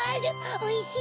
・おいしい！